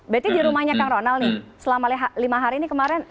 berarti di rumahnya kang ronald nih selama lima hari ini kemarin